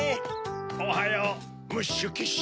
おはようムッシュ・キッシュ。